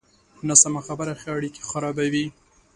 ناسمه خبره ښې اړیکې خرابوي.